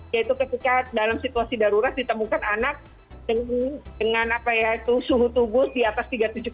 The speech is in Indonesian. yaitu ketika dalam situasi darurat ditemukan anak dengan suhu tubuh di atas tiga ratus tujuh puluh